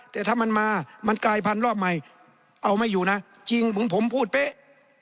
แต่ถ้ามันมามันกลายพันธุ์รอบใหม่เอาไม่อยู่นะจริงเหมือนผมพูดเป๊ะ